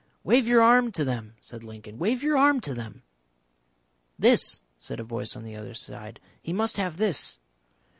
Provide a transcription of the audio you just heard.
"Wave your arm to them," said Lincoln. "Wave your arm to them." "This," said a voice on the other side, "he must have this."